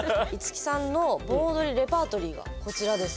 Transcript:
樹さんの盆踊りレパートリーがこちらです。